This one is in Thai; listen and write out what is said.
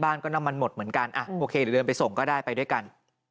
บ้านก็น้ำมันหมดเหมือนกันโอเคหรือเดินไปส่งก็ได้ไปด้วยกัน